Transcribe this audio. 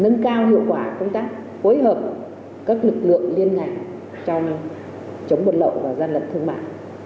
nâng cao hiệu quả công tác phối hợp các lực lượng liên ngành trong chống buồn lậu và gian lận thương mại